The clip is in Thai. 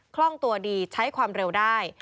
คล่องตัวดีใช้ความเร็วได้